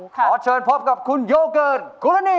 ขอเชิญพบกับคุณโยเกิดกูหลานิต